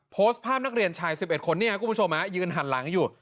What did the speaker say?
โพสต์ภาพนักเรียนชาย๑๑คนเนี่ยคุณผู้ชมยืนหันหลังอยู่